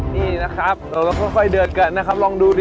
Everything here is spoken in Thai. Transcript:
นี่นะครับเราก็ค่อยเดือดกันนะครับลองดูดิ